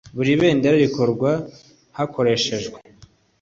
Buri bendera rikorwa hakoreshejwe